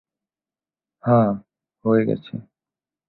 হাঁ, হয়ে গেছে।